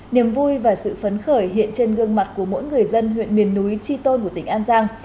niềm vui và sự phấn khởi hiện trên gương mặt của mỗi người dân huyện miền núi tri tôn của tỉnh an giang